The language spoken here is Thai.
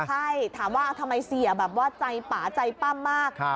ใช่ถามว่าทำไมเสียแบบว่าใจป่าใจปั้มมาก